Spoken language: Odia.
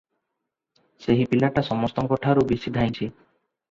ସେହି ପଲିଟା ସମସ୍ତଙ୍କଠାରୁ ବେଶି ଧାଇଁଛି ।